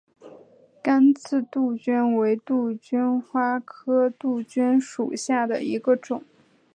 刚刺杜鹃为杜鹃花科杜鹃属下的一个种。